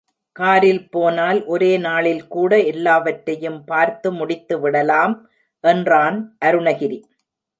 காரில் போனால் ஒரே நாளில் கூட எல்லாவற்றையும் பார்த்து முடித்து விடலாம், என்றான் அருணகிரி.